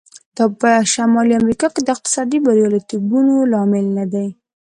دا په شمالي امریکا کې د اقتصادي بریالیتوبونو لامل نه دی.